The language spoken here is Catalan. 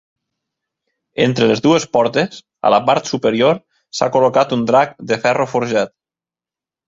Entre les dues portes, a la part superior, s'ha col·locat un drac de ferro forjat.